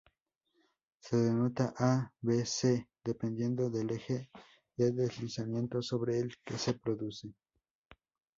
Se denota "a", "b","c", dependiendo del eje de deslizamiento sobre el que se produce.